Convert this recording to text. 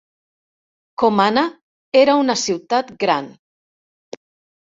Comana era una ciutat gran.